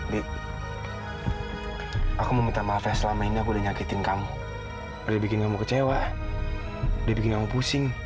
di aku mau minta maaf ya selama ini aku udah nyakitin kamu udah bikin kamu kecewa dia bikin kamu pusing